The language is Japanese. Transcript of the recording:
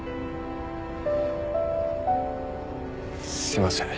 すいません。